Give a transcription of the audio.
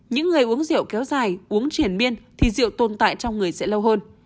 những người uống rượu kéo dài uống triển miên thì rượu tồn tại trong người sẽ lâu hơn